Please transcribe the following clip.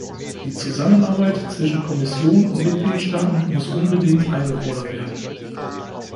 Die Zusammenarbeit zwischen Kommission und Mitgliedstaaten muss unbedingt eingefordert werden!